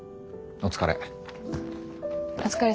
お疲れ。